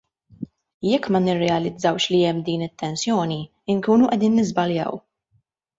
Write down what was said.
Jekk ma nirrealizzawx li hemm din it-tensjoni, inkunu qegħdin niżbaljaw.